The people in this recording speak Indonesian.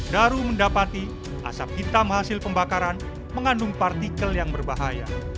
daru mendapati asap hitam hasil pembakaran mengandung partikel yang berbahaya